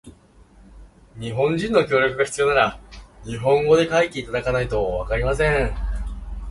日本人の協力が必要なら、日本語で書いていただかないとわかりません。